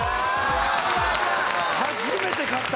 初めて勝った！